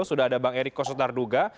sudah ada bang eriko sotarduga